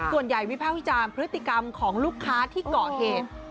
ส่วนใหญ่วิภาพิจารณ์พฤติกรรมของลูกค้าที่เกาะเหตุ